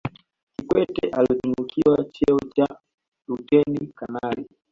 kikwete alitunukiwa cheo cha luteni kanali